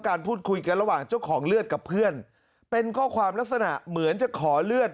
การพูดคุยกันระหว่างเจ้าของเลือดกับเพื่อนเป็นข้อความลักษณะเหมือนจะขอเลือด